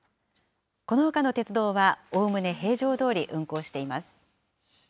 このほかの鉄道はおおむね平常どおり運行しています。